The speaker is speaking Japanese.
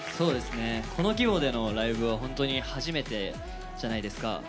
この規模でのライブは本当に初めてじゃないですか。